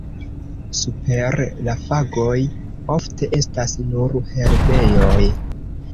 Super la fagoj ofte estas nur herbejoj.